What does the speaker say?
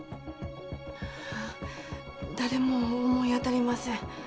いや誰も思い当たりません。